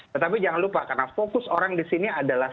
tetapi jangan lupa karena fokus orang di sini adalah